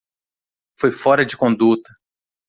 Foi fora de conduta.